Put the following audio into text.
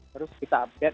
terus kita update